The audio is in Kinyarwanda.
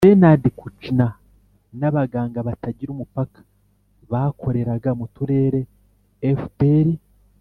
bernard kouchner n'abaganga batagira umupaka bakoreraga mu turere fpr